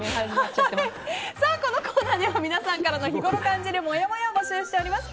このコーナーでは皆さんからの日ごろ感じるもやもやを募集しております。